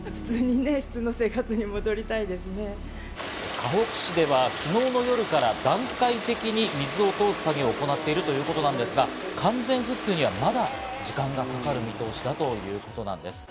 かほく市では昨日の夜から段階的に水を通す作業を行っているということですが、完全復旧にはまだ時間がかかる見通しだということなんです。